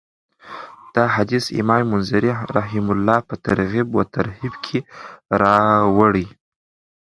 دا حديث امام منذري رحمه الله په الترغيب والترهيب کي راوړی .